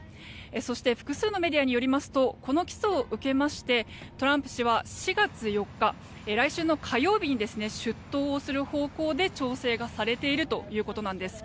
そして複数のメディアによりますとこの起訴を受けましてトランプ氏は４月４日来週の火曜日に出頭をする方向で調整がされているということです。